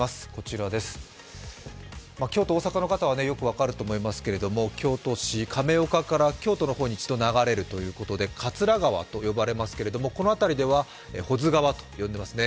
京都、大阪の人はよく分かると思いますけれども、亀岡から京都の方に一度流れると言うことで桂川と呼ばれますけどこの辺りでは保津川と呼んでいますね。